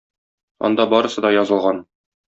Анда барысы да язылган.